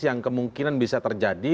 yang kemungkinan bisa terjadi